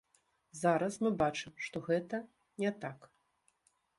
Зараз мы бачым, што гэта не так.